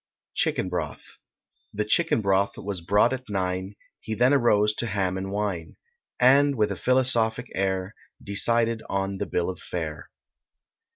CHICKEN BROTH. The chicken broth was brought at nine; He then arose to ham and wine, And, with a philosophic air, Decided on the bill of fare.